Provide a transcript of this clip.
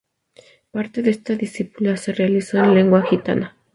Parte de esta disculpa se realizó en lengua gitana.